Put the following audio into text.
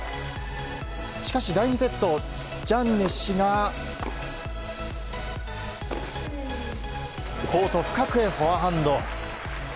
しかし、第２セットジャンネッシがコート深くへフォアハンド。